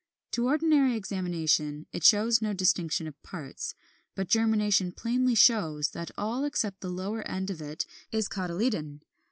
To ordinary examination it shows no distinction of parts. But germination plainly shows that all except the lower end of it is cotyledon.